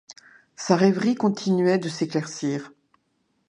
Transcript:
Sa rêverie continuait de s’éclaircir.